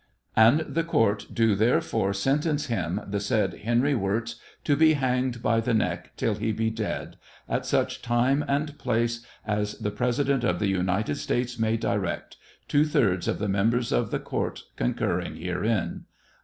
And the court do therefore sentence him, the said Henry Wirz, to be hanged by the neck till lie be dead, at such time and place as the President of the United 1 States may direct, two thirds of the members of the court concurring herein.